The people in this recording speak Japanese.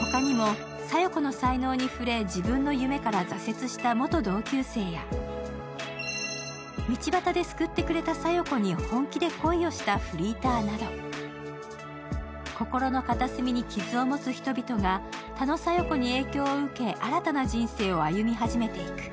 他にも、小夜子の才能に触れ自分の夢から挫折した元同級生や道端で救ってくれた小夜子に本気で恋をしたフリーターなど心の片隅に傷を持つ人々が多野小夜子に影響を受け新たな人生を歩み始めていく。